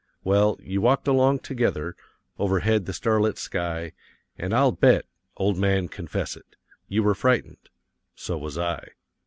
Well, you walked along together, overhead the starlit sky; and I'll bet old man, confess it you were frightened. So was I.